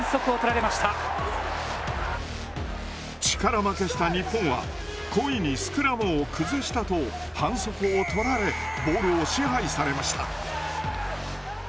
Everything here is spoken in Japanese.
力負けした日本は故意にスクラムを崩したと反則を取られボールを支配されました。